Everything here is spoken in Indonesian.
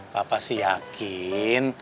papa sih yakin